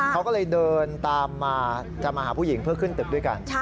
เขาก็เลยเดินตามมาจะมาหาผู้หญิงเพื่อขึ้นตึกด้วยกัน